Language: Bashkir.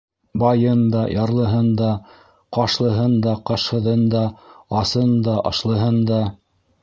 Байын да, ярлыһын да, ҡашлыһын, ҡашһыҙын да, асын да, ашлыһын да...